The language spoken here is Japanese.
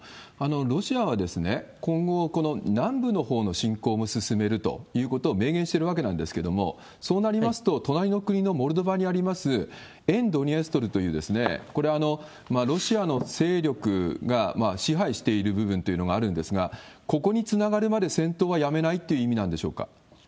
ロシアは、今後、南部のほうの侵攻も進めるということを明言してるわけなんですけれども、そうなりますと、隣の国のモルドバにあります、沿ドニエストルという、これ、ロシアの勢力が支配している部分というのがあるんですが、ここにつながるまで戦闘はやめないという意味なんでしょうか？